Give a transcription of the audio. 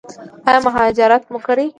ایا مهاجرت مو کړی؟